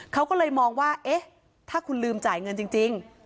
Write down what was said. เขาก็เลยมองว่าเอ๊ะถ้าคุณลืมจ่ายเงินจริง